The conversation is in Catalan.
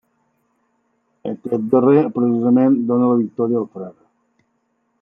Aquest darrer, precisament, dóna la victòria al frare.